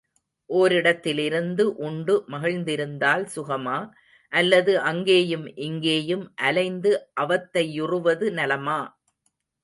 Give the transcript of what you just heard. ஒரிடத்திலிருந்து உண்டு மகிழ்ந்திருத்தல் சுகமா, அல்லது அங்கேயும் இங்கேயும் அலைந்து அவத்தை யுறுவது நலமா?